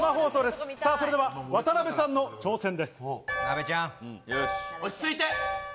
それでは渡邊さんの挑戦です。